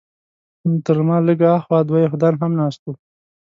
تر ما لږ هاخوا دوه یهودان هم ناست وو.